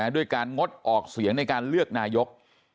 ด้วยการงดออกเสียงในการเลือกนายก